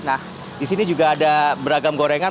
nah di sini juga ada beragam gorengan